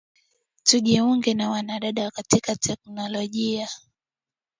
Tujiunge na wanadada katika teknolojia